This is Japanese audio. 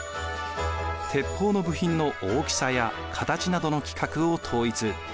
鉄砲の部品の大きさや形などの規格を統一。